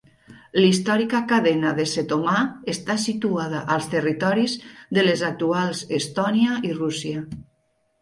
L"històrica cadena de Setomaa està situada als territoris de les actuals Estònia i Rússia..